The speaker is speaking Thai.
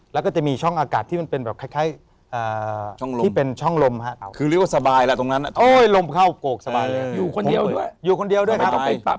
แล้วก็จะมีช่องอากาศที่มันเป็นแบบคล้ายที่เป็นช่องลมครับคือเรียกว่าสบายแล้วตรงนั้นลมเข้าโกกสบายเลยอยู่คนเดียวด้วยอยู่คนเดียวด้วยครับ